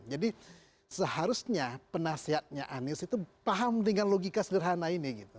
jadi seharusnya penasihatnya anies itu paham dengan logika sederhana ini gitu